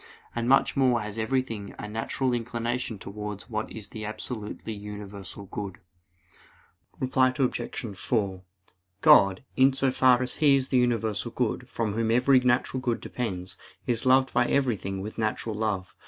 And much more has everything a natural inclination towards what is the absolutely universal good. Reply Obj. 4: God, in so far as He is the universal good, from Whom every natural good depends, is loved by everything with natural love.